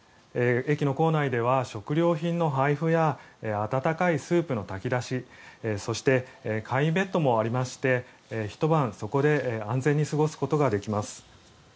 駅の構内では食料品の配布や温かいスープの炊き出しそして、簡易ベッドもありましてひと晩、そこで安全に過ごすことができます。